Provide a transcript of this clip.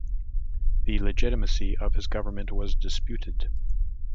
The legitimacy of his government was disputed.